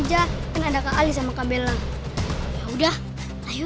sampai jumpa di video selanjutnya